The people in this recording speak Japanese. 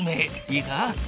いいか。